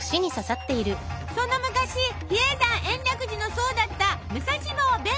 その昔比叡山延暦寺の僧だった武蔵坊弁慶。